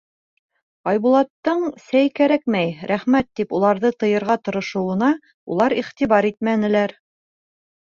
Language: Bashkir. Айбулаттың сәй кәрәкмәй, рәхмәт, тип уларҙы тыйырға тырышыуына улар иғтибар итмәнеләр.